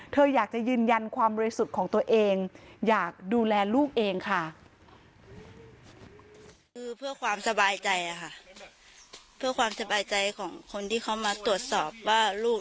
เธออยากจะยืนยันความบริสุทธิ์ของตัวเองอยากดูแลลูกเองค่ะ